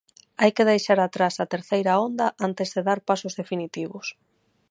Hai que deixar atrás a terceira onda antes de dar pasos definitivos.